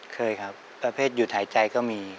เคยครับประเภทหยุดหายใจก็มี